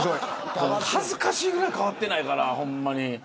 恥ずかしいぐらい変わってないから。